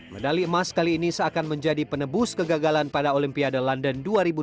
medali emas kali ini seakan menjadi penebus kegagalan pada olimpiade london dua ribu dua belas